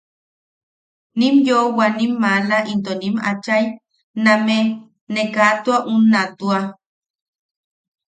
Nim yoʼowa nim maala into nim achai name, ne kaa tua unna tua.